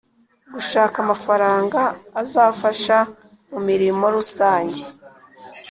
Gushaka amafaranga azafasha mu mirimo rusange